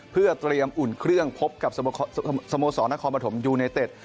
เพื่อเตรียมอุ่นเครื่องพบกับสโมสรนครปฐมยูไนเต็ด